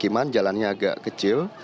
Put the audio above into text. kemukiman jalannya agak kecil